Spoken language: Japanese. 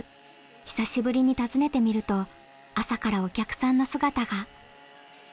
久しぶりに訪ねてみると朝からお客さんの姿が。